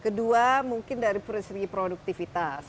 kedua mungkin dari segi produktivitas